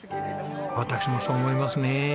私もそう思いますね。